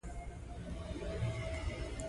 جانداد د صداقت له امله خوښ دی.